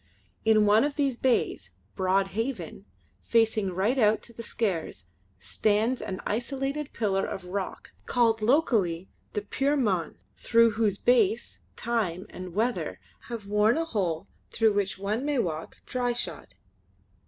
In one of these bays, Broad Haven, facing right out to the Skares, stands an isolated pillar of rock called locally the "Puir mon" through whose base, time and weather have worn a hole through which one may walk dryshod.